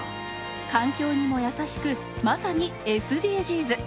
環境にも優しく、まさにＳＤＧｓ。